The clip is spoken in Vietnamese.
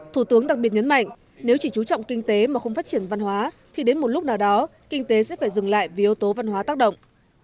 thủ tướng đặc biệt nhấn mạnh nếu chỉ chú trọng kinh tế mà không phát triển văn hóa thì đến một lúc nào đó kinh tế sẽ phải dừng lại vì yếu tố văn hóa tác động